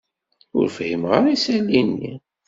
Ur fhimeɣ ara isali-nni.